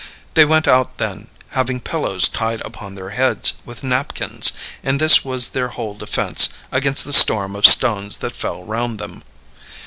They went out then, having pillows tied upon their heads with napkins, and this was their whole defense against the storm of stones that fell round them.